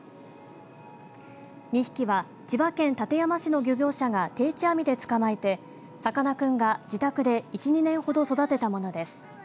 ２匹は千葉県館山市の漁業者が定置網で捕まえてさかなクンが自宅で１、２年ほど育てたものです。